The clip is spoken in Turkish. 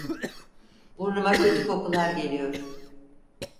Burnuma kötü kokular geliyor.